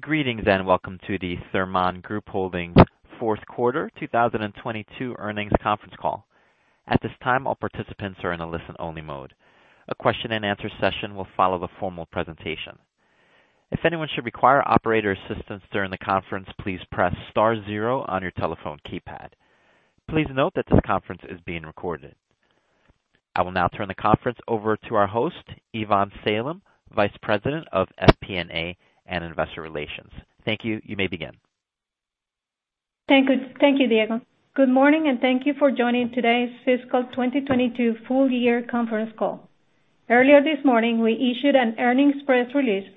Greetings, and welcome to the Thermon Group Holdings fourth quarter 2022 earnings conference call. At this time, all participants are in a listen-only mode. A question and answer session will follow the formal presentation. If anyone should require operator assistance during the conference, please press star zero on your telephone keypad. Please note that this conference is being recorded. I will now turn the conference over to our host, Ivonne Salem, Vice President of FP&A and Investor Relations. Thank you. You may begin. Thank you, Diego. Good morning, and thank you for joining today's fiscal 2022 full year conference call. Earlier this morning, we issued an earnings press release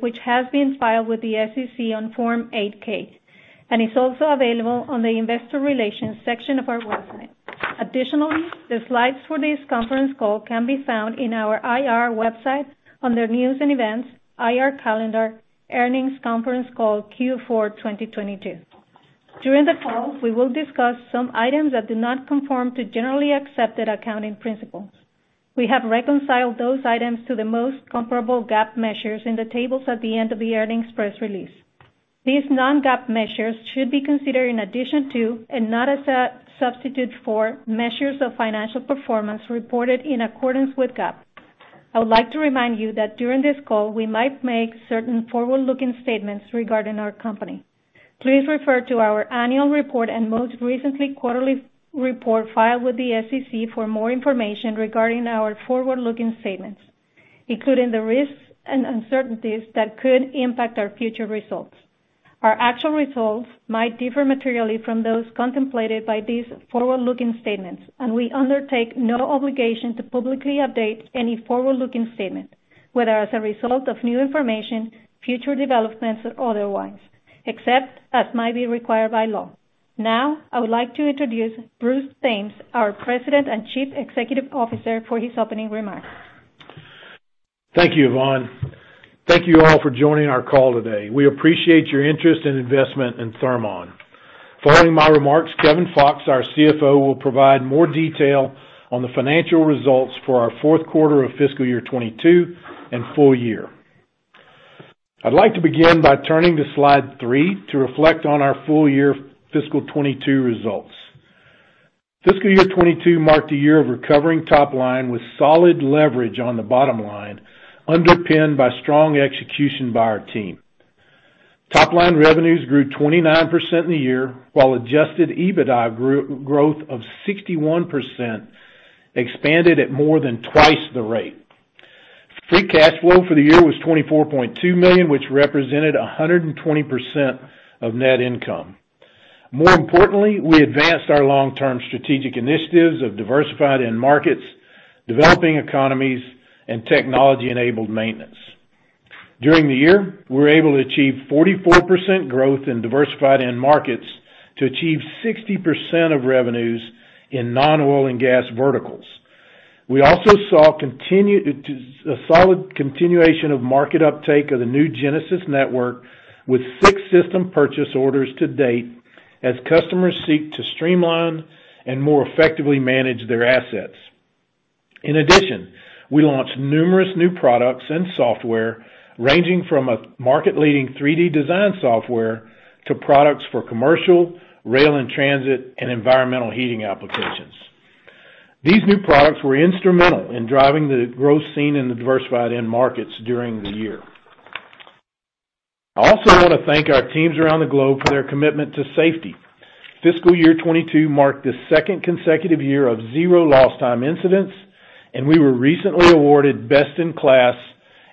which has been filed with the SEC on Form 8-K and is also available on the investor relations section of our website. Additionally, the slides for this conference call can be found in our IR website under News and Events, IR Calendar Earnings Conference Call Q4 2022. During the call, we will discuss some items that do not conform to generally accepted accounting principles. We have reconciled those items to the most comparable GAAP measures in the tables at the end of the earnings press release. These non-GAAP measures should be considered in addition to, and not as a substitute for, measures of financial performance reported in accordance with GAAP. I would like to remind you that during this call we might make certain forward-looking statements regarding our company. Please refer to our annual report and most recently quarterly report filed with the SEC for more information regarding our forward-looking statements, including the risks and uncertainties that could impact our future results. Our actual results might differ materially from those contemplated by these forward-looking statements, and we undertake no obligation to publicly update any forward-looking statement, whether as a result of new information, future developments, or otherwise, except as may be required by law. Now, I would like to introduce Bruce Thames, our President and Chief Executive Officer, for his opening remarks. Thank you, Ivonne. Thank you all for joining our call today. We appreciate your interest and investment in Thermon. Following my remarks, Kevin Fox, our CFO, will provide more detail on the financial results for our fourth quarter of fiscal year 2022 and full year. I'd like to begin by turning to slide threeto reflect on our full year fiscal 2022 results. Fiscal year 2022 marked a year of recovering top line with solid leverage on the bottom line, underpinned by strong execution by our team. Top line revenues grew 29% in the year, while adjusted EBITDA growth of 61% expanded at more than twice the rate. Free cash flow for the year was $24.2 million, which represented 120% of net income. More importantly, we advanced our long-term strategic initiatives of diversified end markets, developing economies, and technology-enabled maintenance. During the year, we were able to achieve 44% growth in diversified end markets to achieve 60% of revenues in non-oil and gas verticals. We also saw a solid continuation of market uptake of the new Genesis Network with six system purchase orders to date as customers seek to streamline and more effectively manage their assets. In addition, we launched numerous new products and software ranging from a market-leading 3D design software to products for commercial, rail and transit, and environmental heating applications. These new products were instrumental in driving the growth seen in the diversified end markets during the year. I also wanna thank our teams around the globe for their commitment to safety. Fiscal year 2022 marked the second consecutive year of zero lost time incidents, and we were recently awarded best in class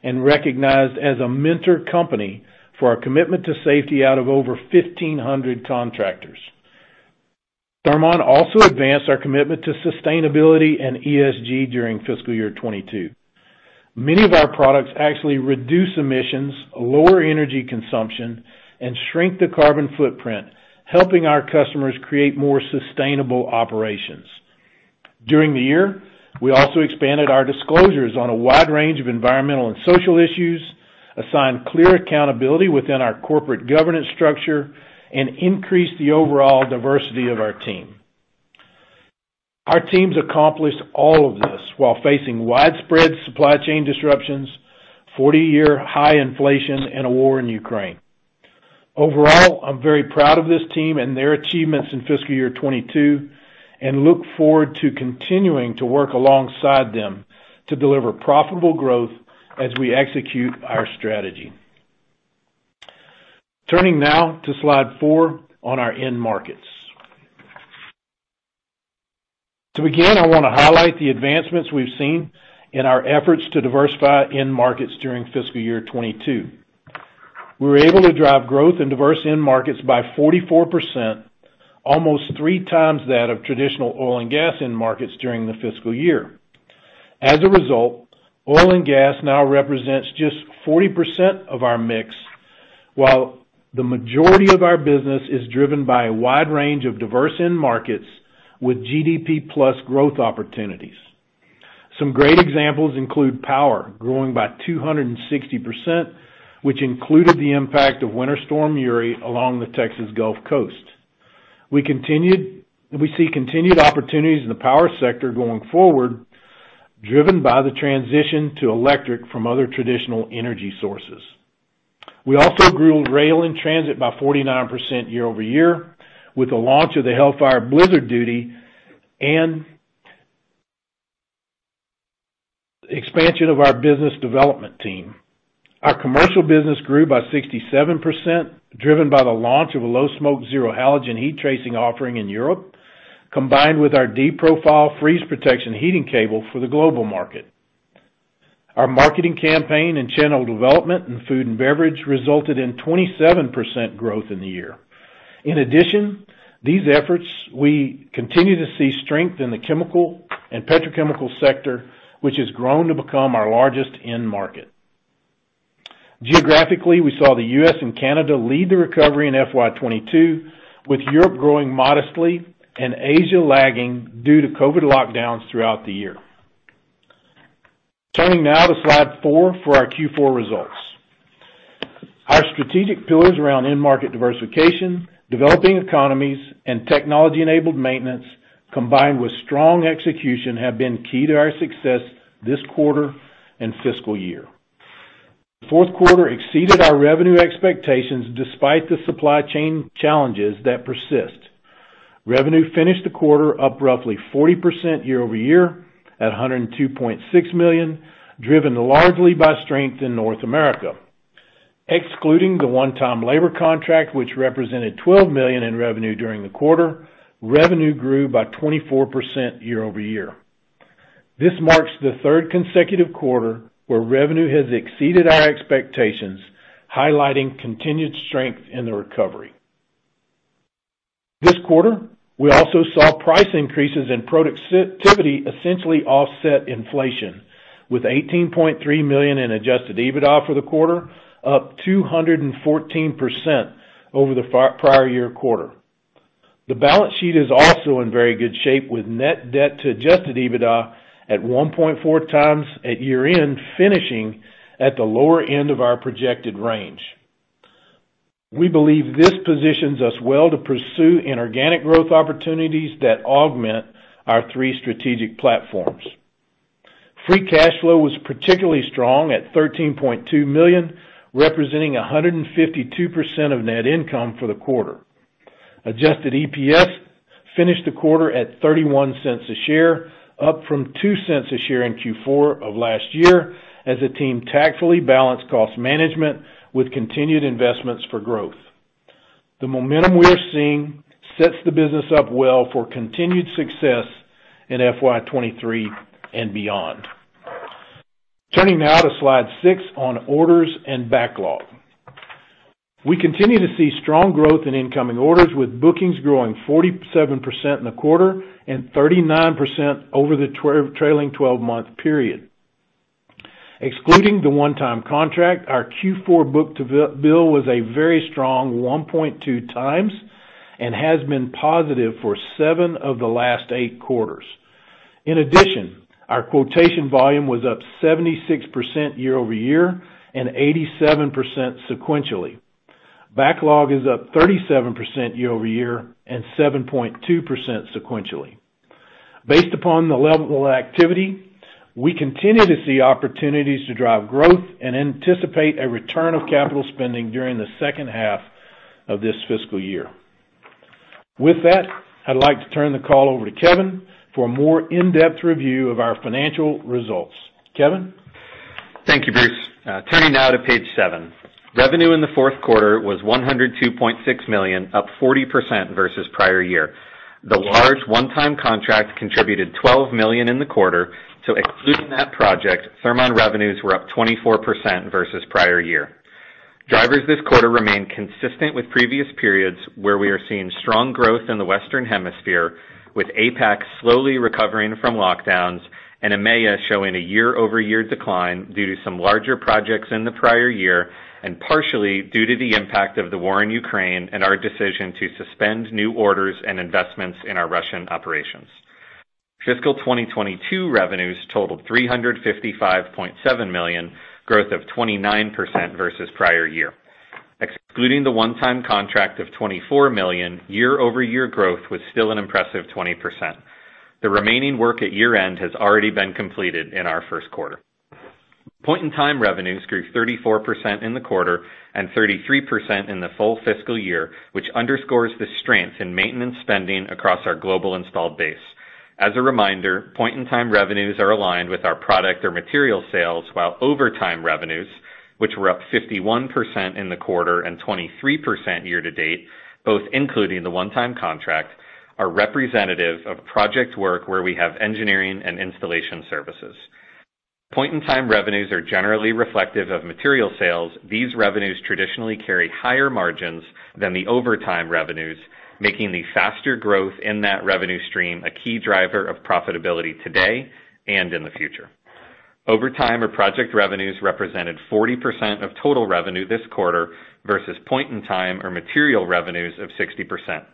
and recognized as a mentor company for our commitment to safety out of over 1,500 contractors. Thermon also advanced our commitment to sustainability and ESG during fiscal year 2022. Many of our products actually reduce emissions, lower energy consumption, and shrink the carbon footprint, helping our customers create more sustainable operations. During the year, we also expanded our disclosures on a wide range of environmental and social issues, assigned clear accountability within our corporate governance structure, and increased the overall diversity of our team. Our teams accomplished all of this while facing widespread supply chain disruptions, 40-year high inflation, and a war in Ukraine. Overall, I'm very proud of this team and their achievements in fiscal year 2022 and look forward to continuing to work alongside them to deliver profitable growth as we execute our strategy. Turning now to slide four on our end markets. To begin, I wanna highlight the advancements we've seen in our efforts to diversify end markets during fiscal year 2022. We were able to drive growth in diverse end markets by 44%, almost three times that of traditional oil and gas end markets during the fiscal year. As a result, oil and gas now represents just 40% of our mix, while the majority of our business is driven by a wide range of diverse end markets with GDP plus growth opportunities. Some great examples include power growing by 260%, which included the impact of Winter Storm Uri along the Texas Gulf Coast. We see continued opportunities in the power sector going forward, driven by the transition to electric from other traditional energy sources. We also grew rail and transit by 49% year-over-year with the launch of the Hellfire Blizzard Duty and expansion of our business development team. Our commercial business grew by 67%, driven by the launch of a low smoke, zero halogen heat tracing offering in Europe, combined with our deep profile freeze protection heating cable for the global market. Our marketing campaign and channel development in food and beverage resulted in 27% growth in the year. In addition to these efforts, we continue to see strength in the chemical and petrochemical sector, which has grown to become our largest end market. Geographically, we saw the U.S. and Canada lead the recovery in FY 2022, with Europe growing modestly and Asia lagging due to COVID lockdowns throughout the year. Turning now to slide four for our Q4 results. Our strategic pillars around end market diversification, developing economies, and technology-enabled maintenance, combined with strong execution, have been key to our success this quarter and fiscal year. The fourth quarter exceeded our revenue expectations despite the supply chain challenges that persist. Revenue finished the quarter up roughly 40% year-over-year at $102.6 million, driven largely by strength in North America. Excluding the one-time labor contract, which represented $12 million in revenue during the quarter, revenue grew by 24% year-over-year. This marks the third consecutive quarter where revenue has exceeded our expectations, highlighting continued strength in the recovery. This quarter, we also saw price increases and productivity essentially offset inflation with $18.3 million in adjusted EBITDA for the quarter, up 214% over the prior year quarter. The balance sheet is also in very good shape with net debt to adjusted EBITDA at 1.4x at year-end, finishing at the lower end of our projected range. We believe this positions us well to pursue inorganic growth opportunities that augment our three strategic platforms. Free cash flow was particularly strong at $13.2 million, representing 152% of net income for the quarter. Adjusted EPS finished the quarter at $0.31 per share, up from $0.02 per share in Q4 of last year as the team tactfully balanced cost management with continued investments for growth. The momentum we are seeing sets the business up well for continued success in FY 2023 and beyond. Turning now to slide six on orders and backlog. We continue to see strong growth in incoming orders, with bookings growing 47% in the quarter and 39% over the trailing twelve-month period. Excluding the one-time contract, our Q4 book-to-bill was a very strong 1.2x and has been positive for seven of the last eight quarters. In addition, our quotation volume was up 76% year-over-year and 87% sequentially. Backlog is up 37% year-over-year and 7.2% sequentially. Based upon the level of activity, we continue to see opportunities to drive growth and anticipate a return of capital spending during the second half of this fiscal year. With that, I'd like to turn the call over to Kevin for a more in-depth review of our financial results. Kevin? Thank you, Bruce. Turning now to page seven. Revenue in the fourth quarter was $102.6 million, up 40% versus prior year. The large one-time contract contributed $12 million in the quarter, so excluding that project, Thermon revenues were up 24% versus prior year. Drivers this quarter remain consistent with previous periods, where we are seeing strong growth in the Western Hemisphere, with APAC slowly recovering from lockdowns and EMEA showing a year-over-year decline due to some larger projects in the prior year, and partially due to the impact of the war in Ukraine and our decision to suspend new orders and investments in our Russian operations. Fiscal 2022 revenues totaled $355.7 million, growth of 29% versus prior year. Excluding the one-time contract of $24 million, year-over-year growth was still an impressive 20%. The remaining work at year-end has already been completed in our first quarter. Point-in-Time revenues grew 34% in the quarter and 33% in the full fiscal year, which underscores the strength in maintenance spending across our global installed base. As a reminder, Point-in-Time revenues are aligned with our product or material sales, while Over Time revenues, which were up 51% in the quarter and 23% year-to-date, both including the one-time contract, are representative of project work where we have engineering and installation services. Point-in-Time revenues are generally reflective of material sales. These revenues traditionally carry higher margins than the Over Time revenues, making the faster growth in that revenue stream a key driver of profitability today and in the future. Over Time or project revenues represented 40% of total revenue this quarter versus Point-in-Time or material revenues of 60%.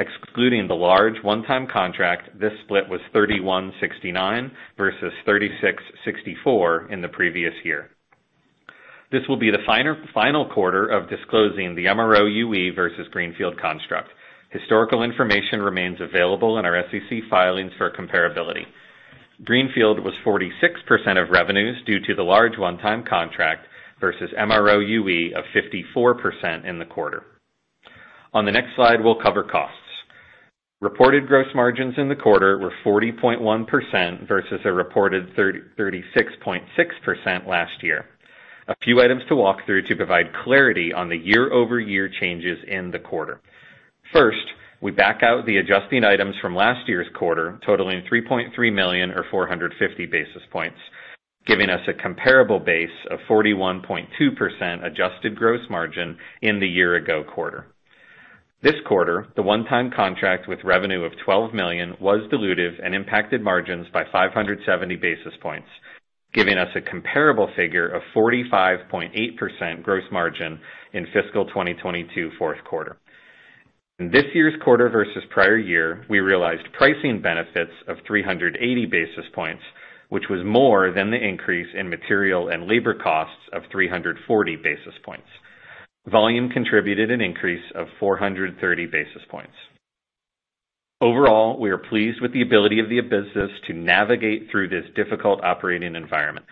Excluding the large one-time contract, this split was 31/69 versus 36/64 in the previous year. This will be the final quarter of disclosing the MRO/UE versus greenfield construct. Historical information remains available in our SEC filings for comparability. Greenfield was 46% of revenues due to the large one-time contract versus MRO/UE of 54% in the quarter. On the next slide, we'll cover costs. Reported gross margins in the quarter were 40.1% versus a reported 36.6% last year. A few items to walk through to provide clarity on the year-over-year changes in the quarter. First, we back out the adjusting items from last year's quarter, totaling $3.3 million or 450 basis points, giving us a comparable base of 41.2% adjusted gross margin in the year ago quarter. This quarter, the one-time contract with revenue of $12 million was dilutive and impacted margins by 570 basis points, giving us a comparable figure of 45.8% gross margin in fiscal 2022 fourth quarter. In this year's quarter versus prior year, we realized pricing benefits of 380 basis points, which was more than the increase in material and labor costs of 340 basis points. Volume contributed an increase of 430 basis points. Overall, we are pleased with the ability of the business to navigate through this difficult operating environment.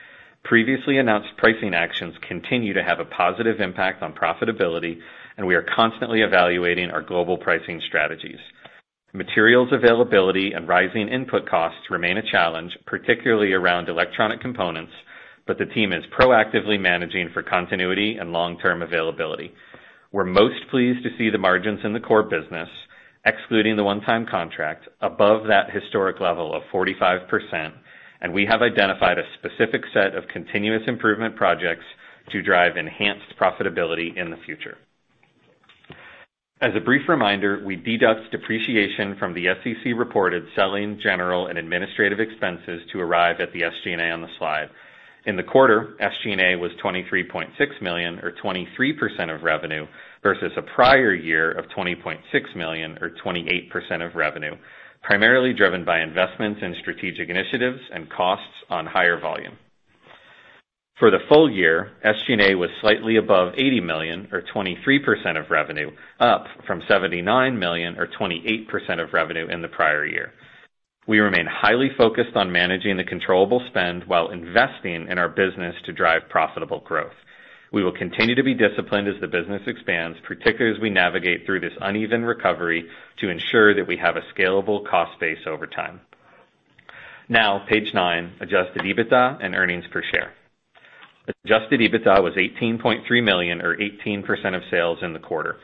Previously announced pricing actions continue to have a positive impact on profitability, and we are constantly evaluating our global pricing strategies. Materials availability and rising input costs remain a challenge, particularly around electronic components, but the team is proactively managing for continuity and long-term availability. We're most pleased to see the margins in the core business, excluding the one-time contract, above that historic level of 45%, and we have identified a specific set of continuous improvement projects to drive enhanced profitability in the future. As a brief reminder, we deduct depreciation from the SEC-reported selling, general, and administrative expenses to arrive at the SG&A on the slide. In the quarter, SG&A was $23.6 million or 23% of revenue versus a prior year of $20.6 million or 28% of revenue, primarily driven by investments in strategic initiatives and costs on higher volume. For the full year, SG&A was slightly above $80 million or 23% of revenue, up from $79 million or 28% of revenue in the prior year. We remain highly focused on managing the controllable spend while investing in our business to drive profitable growth. We will continue to be disciplined as the business expands, particularly as we navigate through this uneven recovery to ensure that we have a scalable cost base over time. Now, page nine, Adjusted EBITDA and earnings per share. Adjusted EBITDA was $18.3 million or 18% of sales in the quarter.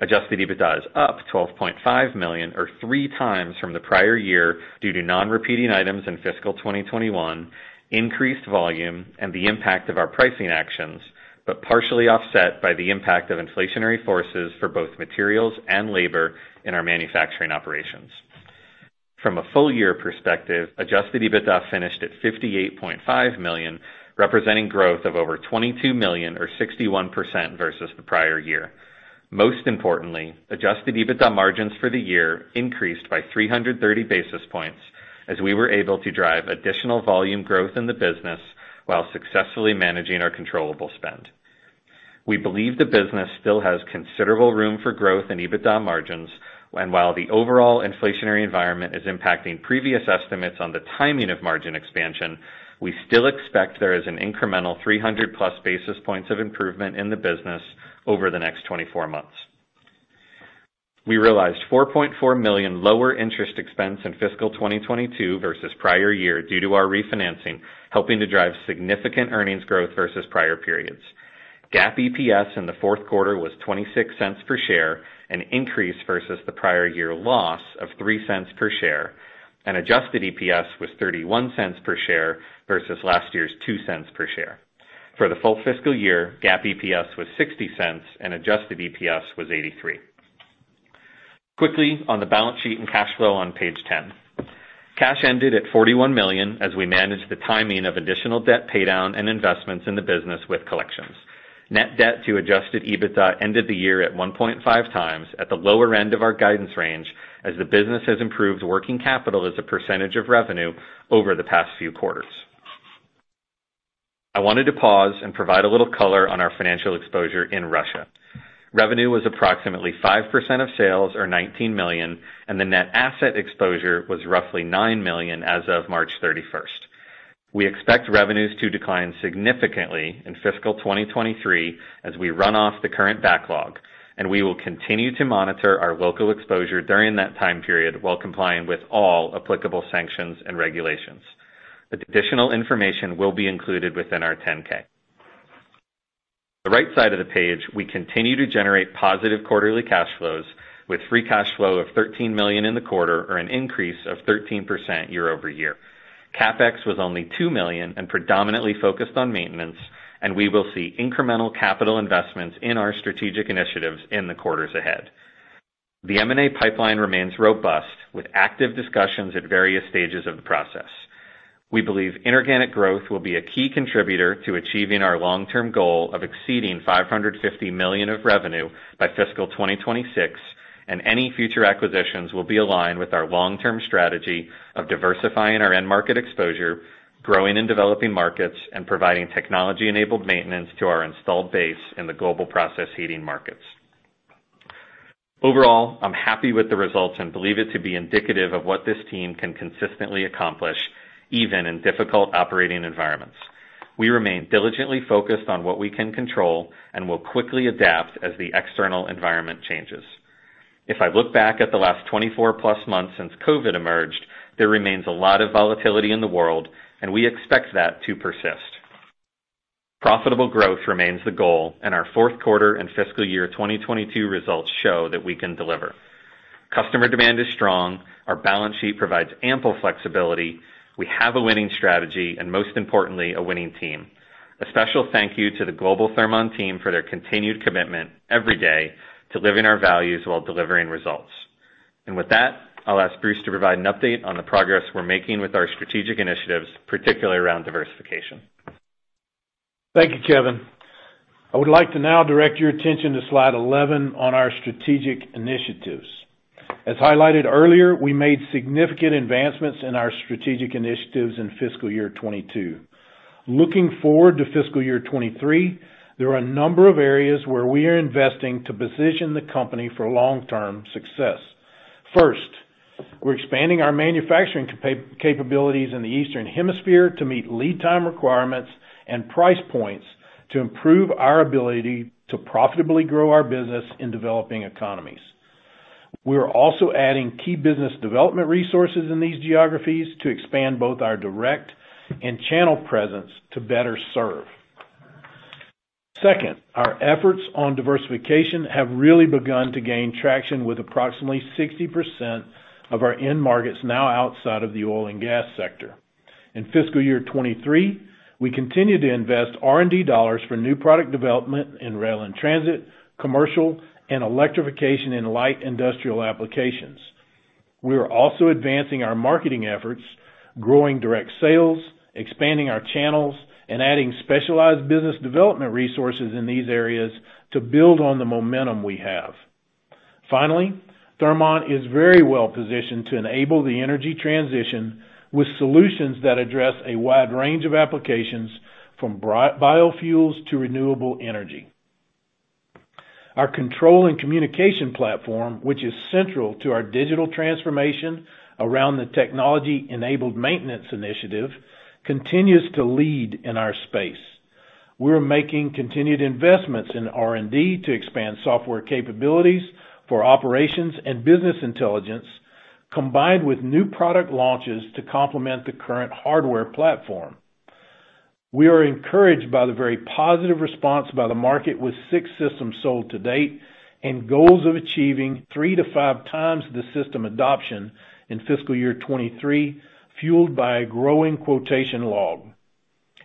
Adjusted EBITDA is up $12.5 million or 3 times from the prior year due to non-repeating items in fiscal 2021, increased volume, and the impact of our pricing actions, but partially offset by the impact of inflationary forces for both materials and labor in our manufacturing operations. From a full-year perspective, Adjusted EBITDA finished at $58.5 million, representing growth of over $22 million or 61% versus the prior year. Most importantly, Adjusted EBITDA margins for the year increased by 330 basis points as we were able to drive additional volume growth in the business while successfully managing our controllable spend. We believe the business still has considerable room for growth in EBITDA margins, and while the overall inflationary environment is impacting previous estimates on the timing of margin expansion, we still expect there is an incremental 300+ basis points of improvement in the business over the next 24 months. We realized $4.4 million lower interest expense in fiscal 2022 versus prior year due to our refinancing, helping to drive significant earnings growth versus prior periods. GAAP EPS in the fourth quarter was $0.26 per share, an increase versus the prior year loss of $0.03 per share, and Adjusted EPS was $0.31 per share versus last year's $0.02 per share. For the full fiscal year, GAAP EPS was $0.60 and Adjusted EPS was $0.83. Quickly on the balance sheet and cash flow on page 10. Cash ended at $41 million as we managed the timing of additional debt paydown and investments in the business with collections. Net debt to Adjusted EBITDA ended the year at 1.5x at the lower end of our guidance range as the business has improved working capital as a percentage of revenue over the past few quarters. I wanted to pause and provide a little color on our financial exposure in Russia. Revenue was approximately 5% of sales or $19 million, and the net asset exposure was roughly $9 million as of March 31. We expect revenues to decline significantly in fiscal 2023 as we run off the current backlog, and we will continue to monitor our local exposure during that time period while complying with all applicable sanctions and regulations. Additional information will be included within our 10-K. The right side of the page, we continue to generate positive quarterly cash flows with Free Cash Flow of $13 million in the quarter or an increase of 13% year-over-year. CapEx was only $2 million and predominantly focused on maintenance, and we will see incremental capital investments in our strategic initiatives in the quarters ahead. The M&A pipeline remains robust with active discussions at various stages of the process. We believe inorganic growth will be a key contributor to achieving our long-term goal of exceeding $550 million of revenue by fiscal 2026. Any future acquisitions will be aligned with our long-term strategy of diversifying our end market exposure, growing and developing markets, and providing technology-enabled maintenance to our installed base in the global process heating markets. Overall, I'm happy with the results and believe it to be indicative of what this team can consistently accomplish, even in difficult operating environments. We remain diligently focused on what we can control and will quickly adapt as the external environment changes. If I look back at the last 24+ months since COVID emerged, there remains a lot of volatility in the world, and we expect that to persist. Profitable growth remains the goal, and our fourth quarter and fiscal year 2022 results show that we can deliver. Customer demand is strong, our balance sheet provides ample flexibility, we have a winning strategy, and most importantly, a winning team. A special thank you to the global Thermon team for their continued commitment every day to living our values while delivering results. With that, I'll ask Bruce to provide an update on the progress we're making with our strategic initiatives, particularly around diversification. Thank you, Kevin. I would like to now direct your attention to slide 11 on our strategic initiatives. As highlighted earlier, we made significant advancements in our strategic initiatives in fiscal year 2022. Looking forward to fiscal year 2023, there are a number of areas where we are investing to position the company for long-term success. First, we're expanding our manufacturing capabilities in the eastern hemisphere to meet lead time requirements and price points to improve our ability to profitably grow our business in developing economies. We are also adding key business development resources in these geographies to expand both our direct and channel presence to better serve. Second, our efforts on diversification have really begun to gain traction with approximately 60% of our end markets now outside of the oil and gas sector. In fiscal year 2023, we continue to invest R&D dollars for new product development in rail and transit, commercial, and electrification in light industrial applications. We are also advancing our marketing efforts, growing direct sales, expanding our channels, and adding specialized business development resources in these areas to build on the momentum we have. Finally, Thermon is very well positioned to enable the energy transition with solutions that address a wide range of applications from biofuels to renewable energy. Our control and communication platform, which is central to our digital transformation around the technology-enabled maintenance initiative, continues to lead in our space. We're making continued investments in R&D to expand software capabilities for operations and business intelligence, combined with new product launches to complement the current hardware platform. We are encouraged by the very positive response by the market with six systems sold to date and goals of achieving three to five times the system adoption in fiscal year 2023, fueled by a growing quotation log.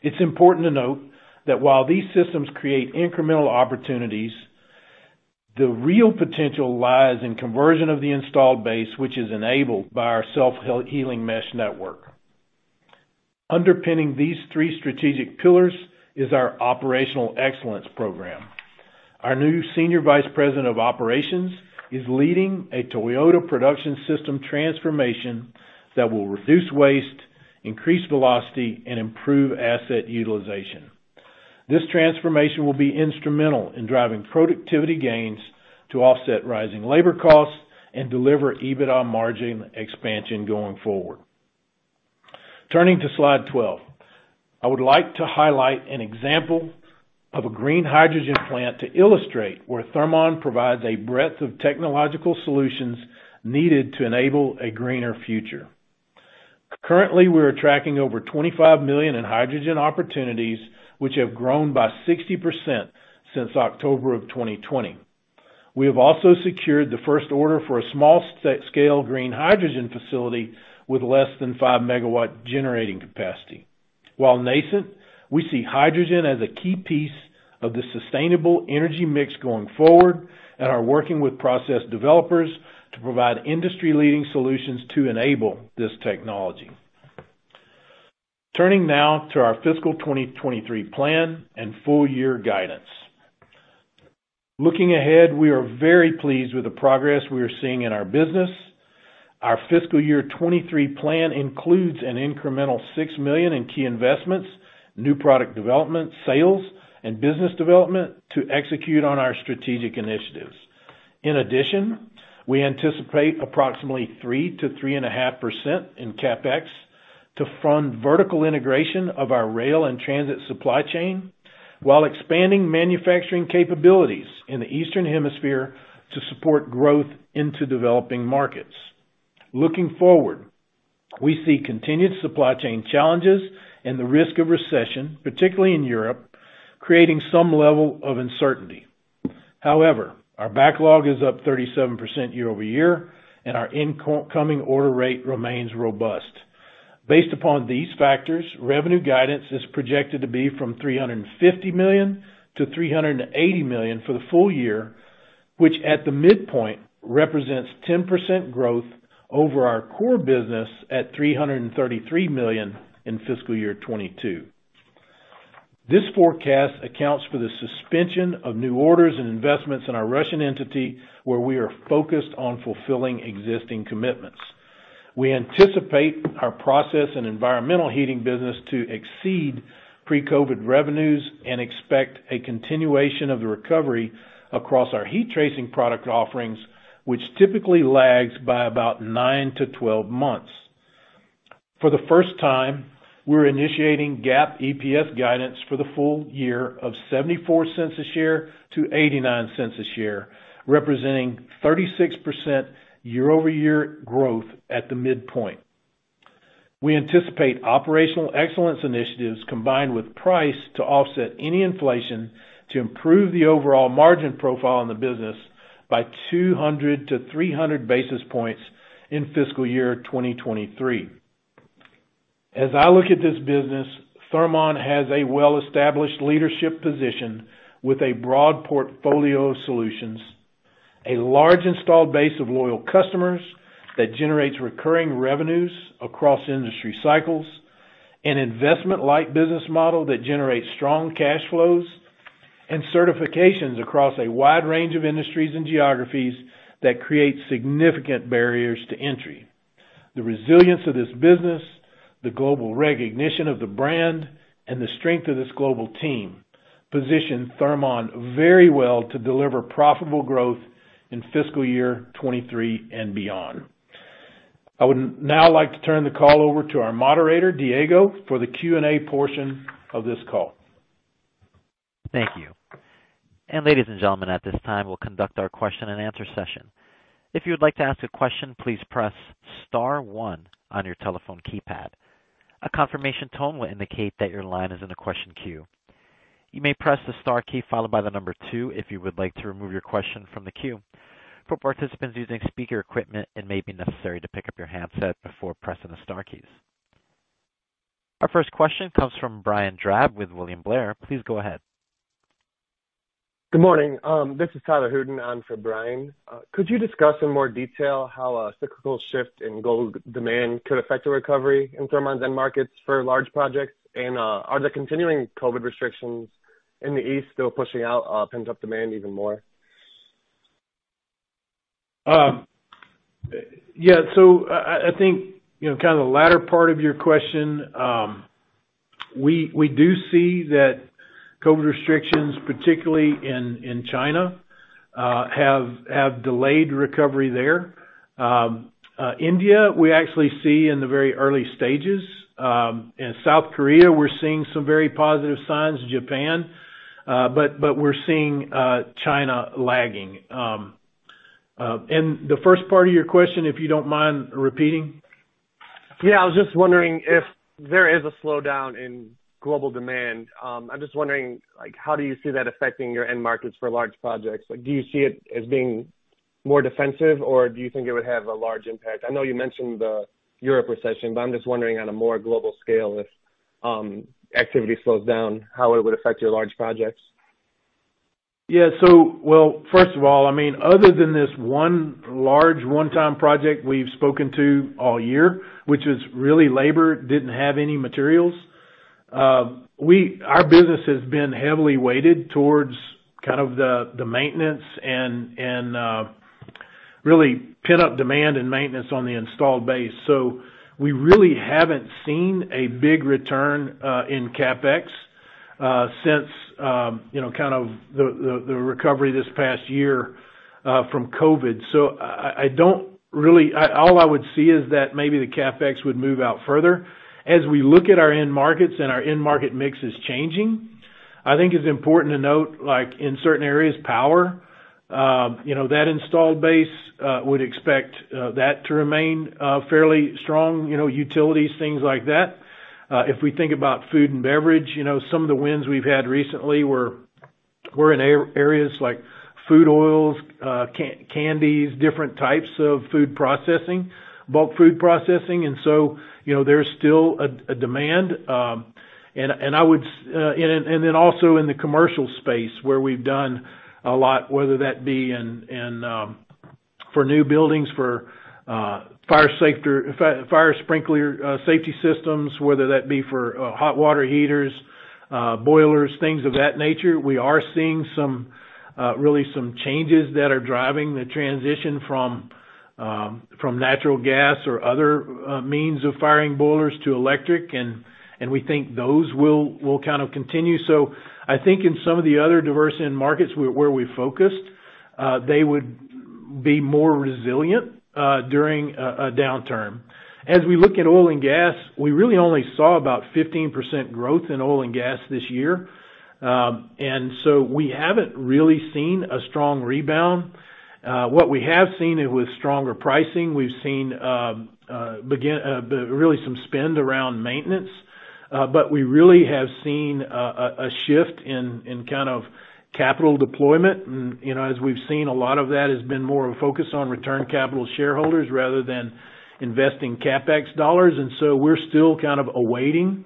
It's important to note that while these systems create incremental opportunities, the real potential lies in conversion of the installed base, which is enabled by our self-healing mesh network. Underpinning these three strategic pillars is our operational excellence program. Our new senior vice president of operations is leading a Toyota Production System transformation that will reduce waste, increase velocity, and improve asset utilization. This transformation will be instrumental in driving productivity gains to offset rising labor costs and deliver EBITDA margin expansion going forward. Turning to slide 12, I would like to highlight an example of a green hydrogen plant to illustrate where Thermon provides a breadth of technological solutions needed to enable a greener future. Currently, we are tracking over $25 million in hydrogen opportunities, which have grown by 60% since October of 2020. We have also secured the first order for a small-scale green hydrogen facility with less than 5-megawatt generating capacity. While nascent, we see hydrogen as a key piece of the sustainable energy mix going forward and are working with process developers to provide industry-leading solutions to enable this technology. Turning now to our fiscal 2023 plan and full-year guidance. Looking ahead, we are very pleased with the progress we are seeing in our business. Our fiscal year 2023 plan includes an incremental $6 million in key investments, new product development, sales, and business development to execute on our strategic initiatives. In addition, we anticipate approximately 3%-3.5% in CapEx to fund vertical integration of our rail and transit supply chain while expanding manufacturing capabilities in the eastern hemisphere to support growth into developing markets. Looking forward, we see continued supply chain challenges and the risk of recession, particularly in Europe, creating some level of uncertainty. However, our backlog is up 37% year-over-year, and our incoming order rate remains robust. Based upon these factors, revenue guidance is projected to be from $350 million to $380 million for the full year, which at the midpoint represents 10% growth over our core business at $333 million in fiscal year 2022. This forecast accounts for the suspension of new orders and investments in our Russian entity, where we are focused on fulfilling existing commitments. We anticipate our process and environmental heating business to exceed pre-COVID revenues and expect a continuation of the recovery across our heat tracing product offerings, which typically lags by about nine to 12 months. For the first time, we're initiating GAAP EPS guidance for the full year of $0.74 a share to $0.89 a share, representing 36% year-over-year growth at the midpoint. We anticipate operational excellence initiatives combined with price to offset any inflation to improve the overall margin profile in the business by 200-300 basis points in fiscal year 2023. As I look at this business, Thermon has a well-established leadership position with a broad portfolio of solutions, a large installed base of loyal customers that generates recurring revenues across industry cycles, an investment-like business model that generates strong cash flows, and certifications across a wide range of industries and geographies that create significant barriers to entry. The resilience of this business, the global recognition of the brand, and the strength of this global team position Thermon very well to deliver profitable growth in fiscal year 2023 and beyond. I would now like to turn the call over to our moderator, Diego, for the Q&A portion of this call. Thank you. Ladies and gentlemen, at this time, we'll conduct our question-and-answer session. If you would like to ask a question, please press star one on your telephone keypad. A confirmation tone will indicate that your line is in the question queue. You may press the star key followed by the number two if you would like to remove your question from the queue. For participants using speaker equipment, it may be necessary to pick up your handset before pressing the star keys. Our first question comes from Brian Drab with William Blair. Please go ahead. Good morning. This is Tyler Hutin on for Brian. Could you discuss in more detail how a cyclical shift in global demand could affect the recovery in Thermon's end markets for large projects? Are the continuing COVID restrictions in the East still pushing out pent-up demand even more? Yeah. I think, you know, kind of the latter part of your question, we do see that COVID restrictions, particularly in China, have delayed recovery there. India, we actually see in the very early stages. In South Korea, we're seeing some very positive signs, Japan, but we're seeing China lagging. The first part of your question, if you don't mind repeating? Yeah. I was just wondering if there is a slowdown in global demand, I'm just wondering, like how do you see that affecting your end markets for large projects? Like, do you see it as being more defensive, or do you think it would have a large impact? I know you mentioned the Europe recession, but I'm just wondering on a more global scale if activity slows down, how it would affect your large projects. Yeah. Well, first of all, I mean, other than this one large one-time project we've spoken to all year, which was really labor, didn't have any materials, our business has been heavily weighted towards kind of the maintenance and really pent-up demand and maintenance on the installed base. We really haven't seen a big return in CapEx since you know kind of the recovery this past year from COVID. All I would see is that maybe the CapEx would move out further. As we look at our end markets and our end market mix is changing, I think it's important to note, like in certain areas, power, you know, that installed base would expect that to remain fairly strong, you know, utilities, things like that. If we think about food and beverage, you know, some of the wins we've had recently were in areas like food oils, candies, different types of food processing, bulk food processing. You know, there's still a demand and then also in the commercial space where we've done a lot, whether that be in for new buildings, for fire safety or fire sprinkler safety systems, whether that be for hot water heaters, boilers, things of that nature. We are seeing some really some changes that are driving the transition from natural gas or other means of firing boilers to electric, and we think those will kind of continue. I think in some of the other diverse end markets where we focused, they would be more resilient during a downturn. As we look at oil and gas, we really only saw about 15% growth in oil and gas this year. We haven't really seen a strong rebound. What we have seen is with stronger pricing, we've seen really some spend around maintenance. We really have seen a shift in kind of capital deployment. You know, as we've seen, a lot of that has been more of a focus on returning capital to shareholders rather than investing CapEx dollars. We're still kind of awaiting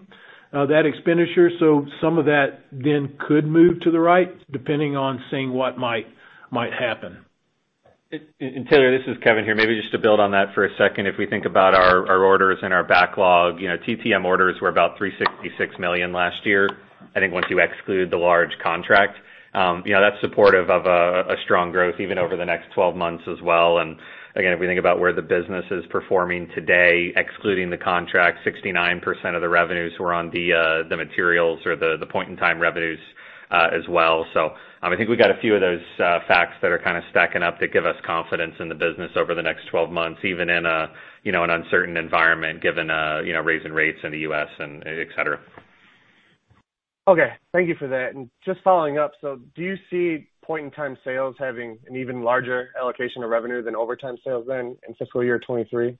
that expenditure. Some of that then could move to the right, depending on seeing what might happen. Tyler, this is Kevin here. Maybe just to build on that for a second. If we think about our orders and our backlog, you know, TTM orders were about $366 million last year, I think once you exclude the large contract. You know, that's supportive of a strong growth even over the next twelve months as well. Again, if we think about where the business is performing today, excluding the contract, 69% of the revenues were on the materials or the point-in-time revenues, as well. I think we've got a few of those facts that are kind of stacking up that give us confidence in the business over the next twelve months, even in a you know, an uncertain environment given, you know, raising rates in the U.S. and et cetera. Okay. Thank you for that. Just following up, so do you see Point-in-Time sales having an even larger allocation of revenue than Over Time sales then in fiscal year 2023?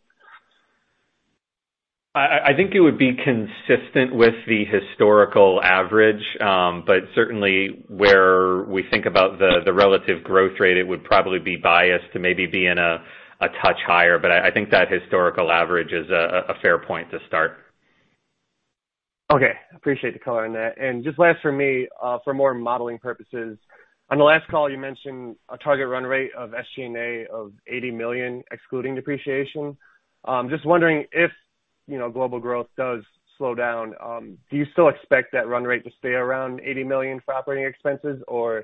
I think it would be consistent with the historical average. Certainly where we think about the relative growth rate, it would probably be biased to maybe be in a touch higher. I think that historical average is a fair point to start. Okay. Appreciate the color on that. Just last for me, for more modeling purposes. On the last call, you mentioned a target run rate of SG&A of $80 million, excluding depreciation. Just wondering if, you know, global growth does slow down, do you still expect that run rate to stay around $80 million for operating expenses? Or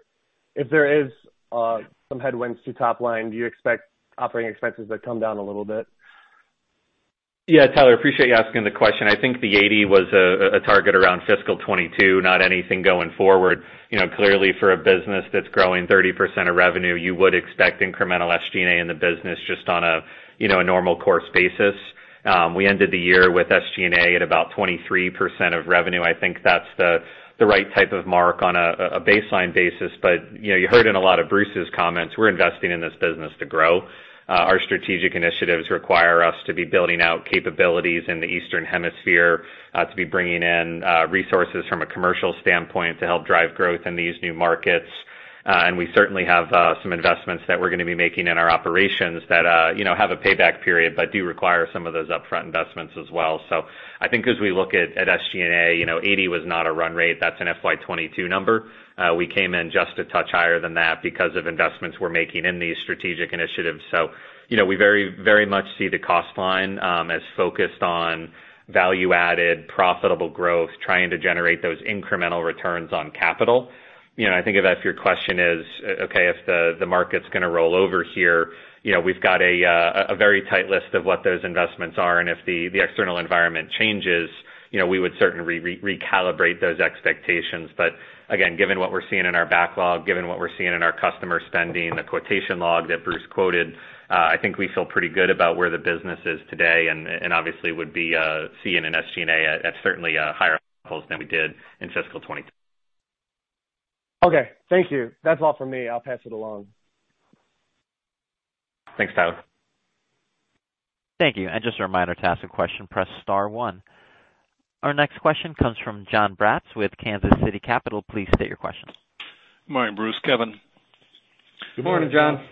if there is some headwinds to top line, do you expect operating expenses to come down a little bit? Yeah, Tyler, appreciate you asking the question. I think the 80 was a target around fiscal 2022, not anything going forward. You know, clearly for a business that's growing 30% of revenue, you would expect incremental SG&A in the business just on a, you know, a normal course basis. We ended the year with SG&A at about 23% of revenue. I think that's the right type of mark on a baseline basis. You know, you heard in a lot of Bruce's comments, we're investing in this business to grow. Our strategic initiatives require us to be building out capabilities in the Eastern Hemisphere, to be bringing in resources from a commercial standpoint to help drive growth in these new markets. We certainly have some investments that we're gonna be making in our operations that, you know, have a payback period, but do require some of those upfront investments as well. I think as we look at SG&A, you know, 80 was not a run rate. That's an FY 2022 number. We came in just a touch higher than that because of investments we're making in these strategic initiatives. You know, we very, very much see the cost line as focused on value-added, profitable growth, trying to generate those incremental returns on capital. You know, I think if your question is, okay, if the market's gonna roll over here, you know, we've got a very tight list of what those investments are, and if the external environment changes, you know, we would certainly recalibrate those expectations. Again, given what we're seeing in our backlog, given what we're seeing in our customer spending, the quotation log that Bruce quoted, I think we feel pretty good about where the business is today and obviously would be seeing an SG&A at certainly a higher levels than we did in fiscal 2020. Okay, thank you. That's all for me. I'll pass it along. Thanks, Tyler. Thank you. Just a reminder, to ask a question, press star one. Our next question comes from Jon Braatz with Kansas City Capital Associates. Please state your question. Morning, Bruce, Kevin. Good morning, Jon.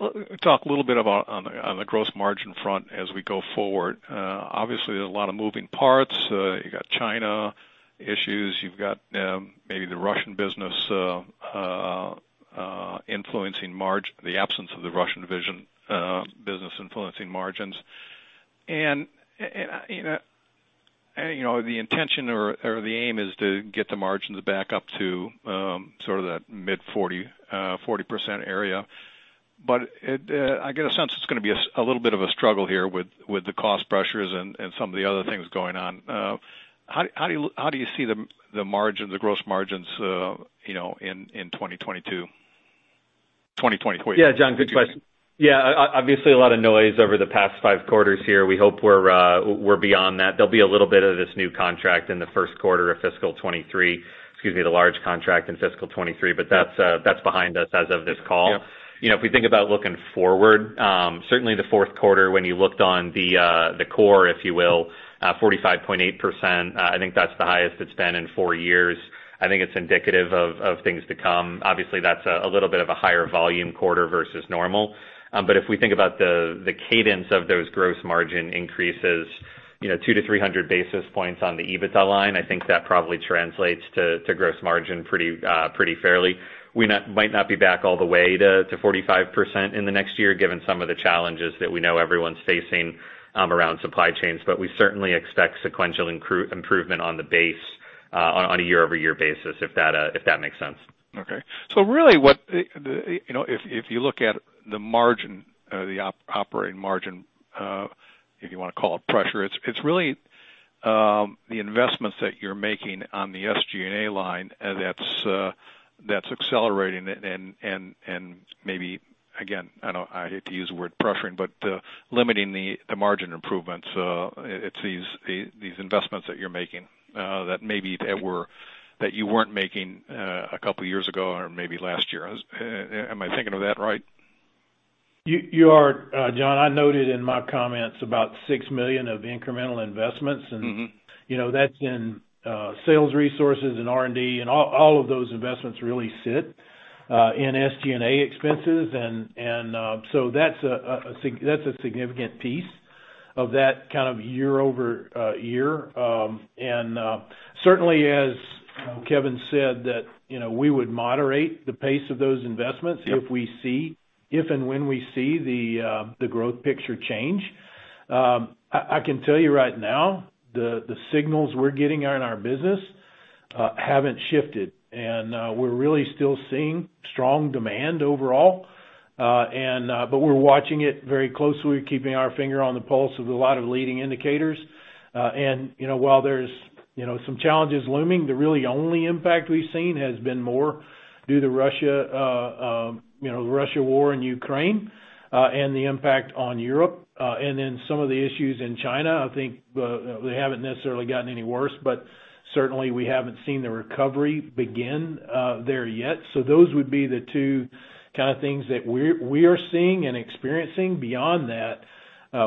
Let's talk a little bit about the gross margin front as we go forward. Obviously there's a lot of moving parts. You got China issues. You've got maybe the Russian business influencing margins, the absence of the Russian division business influencing margins. You know, the intention or the aim is to get the margins back up to sort of that mid-40 40% area. But I get a sense it's gonna be a little bit of a struggle here with the cost pressures and some of the other things going on. How do you see the gross margins, you know, in 2022,2023? Yeah, Jon. Good question. Yeah, obviously a lot of noise over the past five quarters here. We hope we're beyond that. There'll be a little bit of this new contract in the first quarter of fiscal 2023, excuse me, the large contract in fiscal 2023, but that's behind us as of this call. Yeah. You know, if we think about looking forward, certainly the fourth quarter when you looked on the core, if you will, 45.8%, I think that's the highest it's been in four years. I think it's indicative of things to come. Obviously, that's a little bit of a higher volume quarter versus normal. If we think about the cadence of those gross margin increases, you know, 200-300 basis points on the EBITDA line, I think that probably translates to gross margin pretty fairly. We might not be back all the way to 45% in the next year, given some of the challenges that we know everyone's facing around supply chains. We certainly expect sequential improvement on the base on a year-over-year basis, if that makes sense. Okay. Really what the, you know, if you look at the margin, the operating margin, if you wanna call it pressure, it's really the investments that you're making on the SG&A line and that's accelerating and maybe again, I hate to use the word pressuring, but limiting the margin improvements, it's these investments that you're making that you weren't making a couple years ago or maybe last year. Am I thinking of that right? You are Jon. I noted in my comments about $6 million of incremental investments. Mm-hmm. You know, that's in sales resources and R&D, and all of those investments really sit in SG&A expenses. So that's a significant piece of that kind of year-over-year. Certainly as Kevin said that, you know, we would moderate the pace of those investments if and when we see the growth picture change. I can tell you right now the signals we're getting out in our business haven't shifted. We're really still seeing strong demand overall. But we're watching it very closely, keeping our finger on the pulse of a lot of leading indicators. you know, while there's you know some challenges looming, the really only impact we've seen has been more due to Russia, you know, the Russia war in Ukraine, and the impact on Europe, and then some of the issues in China. I think, they haven't necessarily gotten any worse, but certainly we haven't seen the recovery begin there yet. Those would be the two kinda things that we're seeing and experiencing. Beyond that,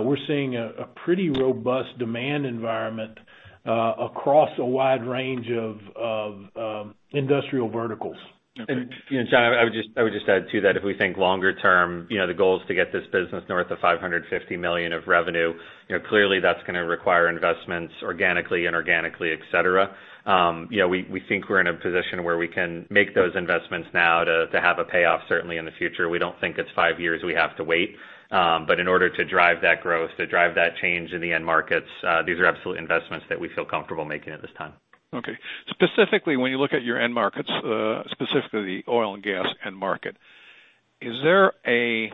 we're seeing a pretty robust demand environment across a wide range of industrial verticals. You know, Jon, I would just add to that if we think longer term, you know, the goal is to get this business north of $550 million of revenue. You know, clearly that's gonna require investments organically, inorganically, et cetera. You know, we think we're in a position where we can make those investments now to have a payoff certainly in the future. We don't think it's five years we have to wait. In order to drive that growth, to drive that change in the end markets, these are absolutely investments that we feel comfortable making at this time. Okay. Specifically, when you look at your end markets, specifically oil and gas end market, is there a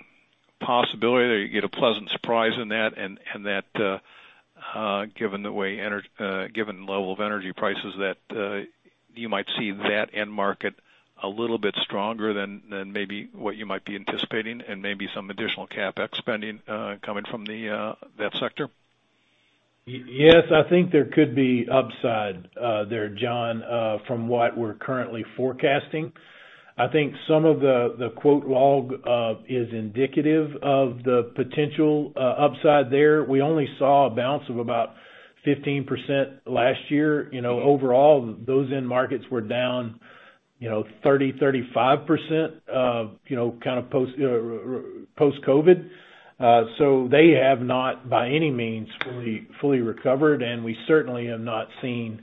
possibility that you get a pleasant surprise in that, and that, given the level of energy prices, you might see that end market a little bit stronger than maybe what you might be anticipating and maybe some additional CapEx spending coming from that sector? Yes, I think there could be upside there, John, from what we're currently forecasting. I think some of the quote log is indicative of the potential upside there. We only saw a bounce of about 15% last year. You know, overall, those end markets were down, you know, 30%-35% or, you know, kind of post-COVID. They have not by any means fully recovered, and we certainly have not seen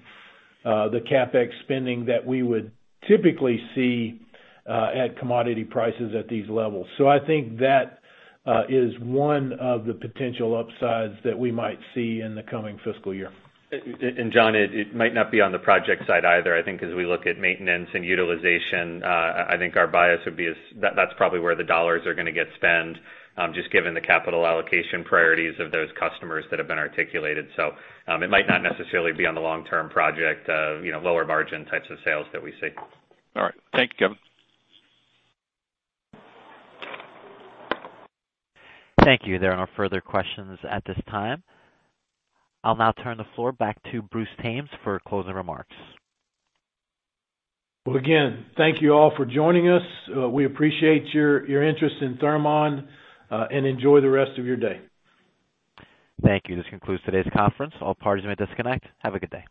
the CapEx spending that we would typically see at commodity prices at these levels. I think that is one of the potential upsides that we might see in the coming fiscal year. Jon, it might not be on the project side either. I think as we look at maintenance and utilization, I think our bias would be is that's probably where the dollars are gonna get spent, just given the capital allocation priorities of those customers that have been articulated. It might not necessarily be on the long-term project, you know, lower margin types of sales that we see. All right. Thank you, Kevin. Thank you. There are no further questions at this time. I'll now turn the floor back to Bruce Thames for closing remarks. Well, again, thank you all for joining us. We appreciate your interest in Thermon, and enjoy the rest of your day. Thank you. This concludes today's conference. All parties may disconnect. Have a good day.